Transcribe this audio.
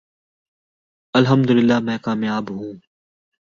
الحمدللہ میں کامیاب ہوں۔